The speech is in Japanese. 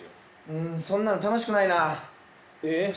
うんそんなの楽しくないなえぇ？